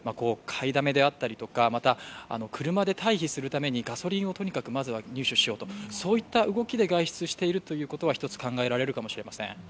買いだめであったりとか、車で退避するためにガソリンをまずは入手しようと、そういった動きで外出していることは一つ考えられるかもしれません。